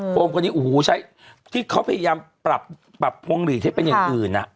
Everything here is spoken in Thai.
โมคนนี้โอ้โหใช้ที่เขาพยายามปรับพวงหลีดให้เป็นอย่างอื่น